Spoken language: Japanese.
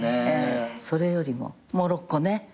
それよりもモロッコね。